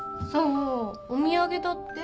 お土産だって。